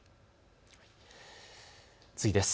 次です。